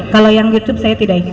kalau yang youtube saya tidak ingin